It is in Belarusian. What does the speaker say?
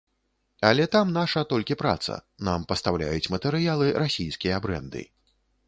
Але там наша толькі праца, нам пастаўляюць матэрыялы расійскія брэнды.